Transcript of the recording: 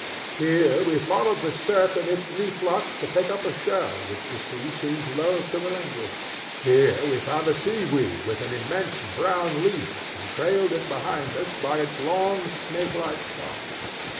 Here we followed the surf in its reflux to pick up a shell which the sea seemed loth to relinquish. Here we found a seaweed with an immense brown leaf, and trailed it behind us by its long snake like stalk.